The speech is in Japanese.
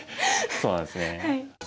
そうなんですね。